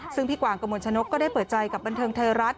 ซึ่งพี่กวางกระมวลชนกก็ได้เปิดใจกับบันเทิงไทยรัฐ